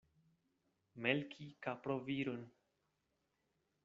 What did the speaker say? Melki kaproviron.